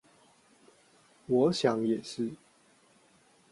我想也是